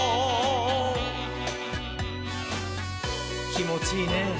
きもちいいねぇ。